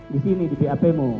di sini di pap mu